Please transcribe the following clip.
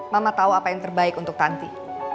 mama tahu apa yang terbaik untuk tanti